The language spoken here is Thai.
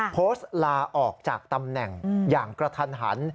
โพสต์ลาออกจากตำแหน่งอย่างกระทันหัน